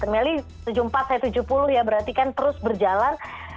melly tujuh puluh empat saya tujuh puluh ya berarti kan terus berjalan